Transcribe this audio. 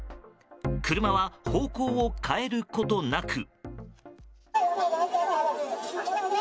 車は方向を変えることなく。